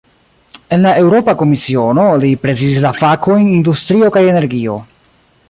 En la Eŭropa Komisiono, li prezidis la fakojn "industrio kaj energio".